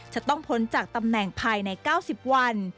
จะต้องพ้นจากตำแหน่งภายใน๙๐วัน